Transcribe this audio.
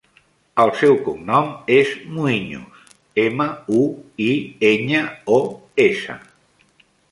El seu cognom és Muiños: ema, u, i, enya, o, essa.